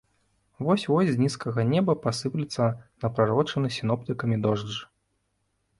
Вось-вось з нізкага неба пасыплецца напрарочаны сіноптыкамі дождж.